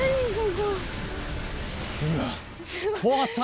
うわ怖かったね。